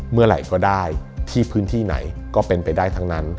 เมื่อไหร่ก็ได้ที่พื้นที่ไหนก็เป็นไปได้ทั้งนั้น